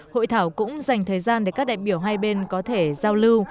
hội thảo cũng dành thời gian để các đại biểu hai bên có thể giao lưu